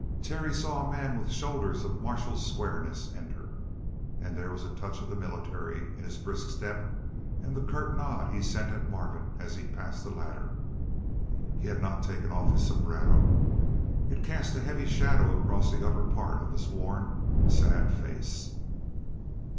Terry saw a man with shoulders of martial squareness enter. And there was a touch of the military in his brisk step and the curt nod he sent at Marvin as he passed the latter. He had not taken off his sombrero. It cast a heavy shadow across the upper part of his worn, sad face.